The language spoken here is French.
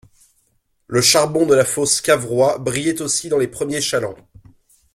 Le charbon de la fosse Cavrois brillait aussi dans les premiers chalands.